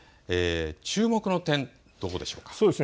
注目の点、どこでしょうか。